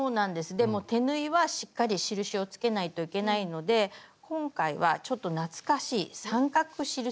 でも手縫いはしっかり印を付けないといけないので今回はちょっと懐かしい三角印付けを使います。